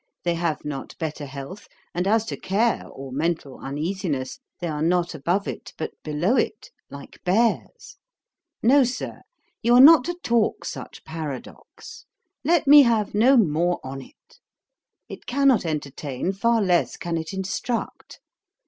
They have not better health; and as to care or mental uneasiness, they are not above it, but below it, like bears. No, Sir; you are not to talk such paradox: let me have no more on't. It cannot entertain, far less can it instruct.